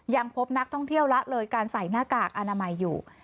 ยังพบนักท่องเที่ยวละเลยการใส่หน้ากากอนามัยอยู่